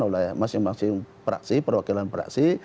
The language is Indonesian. oleh masing masing praksi perwakilan praksi